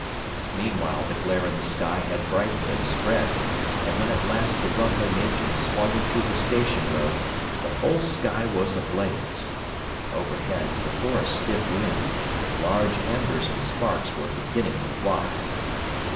Meanwhile the glare in the sky had brightened and spread; and when at last the rumbling engine swung into the station road the whole sky was ablaze. Overhead, before a stiff wind, large embers and sparks were beginning to fly.